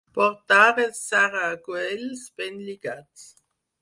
Portar els saragüells ben lligats.